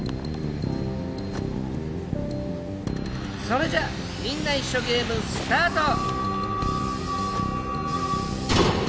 それじゃみんな一緒ゲームスタート！